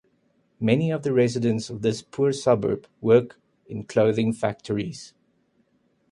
Many of the residents of this poor suburb work in clothing factories.